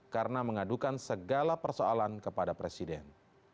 karena mengadukan segala persoalan kepada presiden